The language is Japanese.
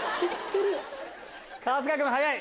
春日君早い！